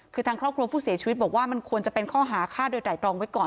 คือทางครอบครัวผู้เสียชีวิตบอกว่ามันควรจะเป็นข้อหาฆ่าโดยไตรตรองไว้ก่อน